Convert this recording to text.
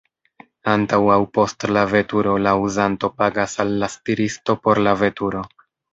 Antaŭ aŭ post la veturo la uzanto pagas al la stiristo por la veturo.